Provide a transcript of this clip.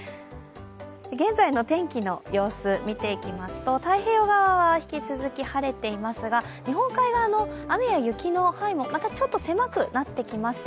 現在の天気の様子、見ていきますと太平洋側は引き続き晴れていますが日本海側の雨や雪の範囲もちょっと狭くなってきました。